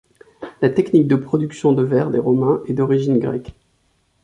La technique de production de verre des romains est d'origine grecque.